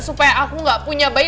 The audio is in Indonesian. supaya aku gak punya bayi